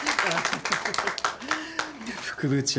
副部長。